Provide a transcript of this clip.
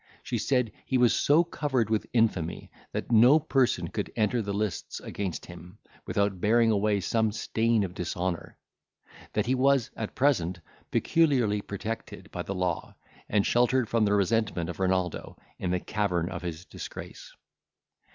She said, he was so covered with infamy, that no person could enter the lists against him, without bearing away some stain of dishonour; that he was, at present, peculiarly protected by the law, and sheltered from the resentment of Renaldo, in the cavern of his disgrace.